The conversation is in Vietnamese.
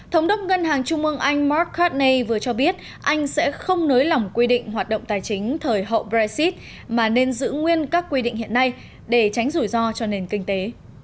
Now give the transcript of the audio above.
thống đốc ngân hàng trung ương anhrd khartney vừa cho biết anh sẽ không nới lỏng quy định hoạt động tài chính thời hậu brexit mà nên giữ nguyên các quy định hiện nay để tránh rủi ro cho nền kinh tế